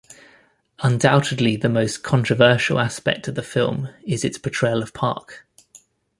Undoubtedly the most controversial aspect of the film is its portrayal of Park.